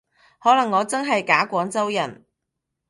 可能我真係假廣州人